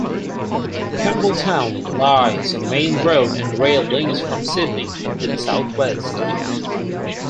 Campbelltown lies on the main road and rail links from Sydney to the south-west.